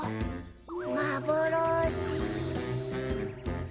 まぼろし。